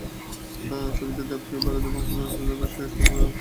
ছবিতে দেবকে ভারতীয় বংশোদ্ভূত অস্ট্রেলীয় ব্যবসায়ী সারু ব্রায়ারলির চরিত্রে দেখা যাবে।